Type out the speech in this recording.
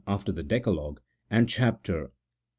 after the Decalogue, and chap, xviii.